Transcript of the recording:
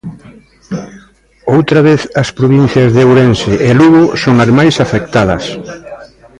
Outra vez as provincias de Ourense e Lugo son as máis afectadas.